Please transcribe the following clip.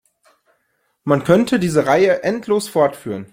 Man könnte diese Reihe endlos fortführen.